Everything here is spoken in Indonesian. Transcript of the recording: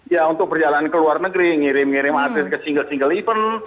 ya untuk berjalan ke luar negeri ngirim ngirim atlet ke single single event